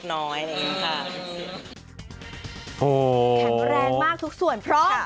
แข็งแรงมากทุกส่วนเพราะ